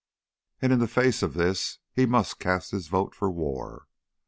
And in the face of this he must cast his vote for war.